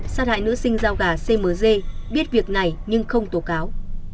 sát hại nữ sinh giao gà cmg biết việc này nhưng không tổ cáo